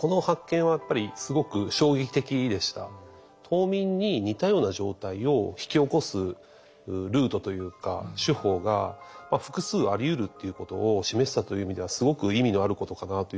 冬眠に似たような状態を引き起こすルートというか手法が複数ありうるっていうことを示したという意味ではすごく意味のあることかなというふうに思ってます。